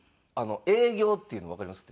営業っていうのわかります？